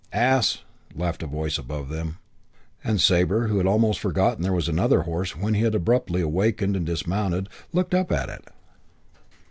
"Ass!" laughed a voice above them; and Sabre, who had almost forgotten there was another horse when he had abruptly wakened and dismounted, looked up at it.